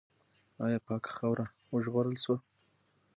آیا پاکه خاوره وژغورل سوه؟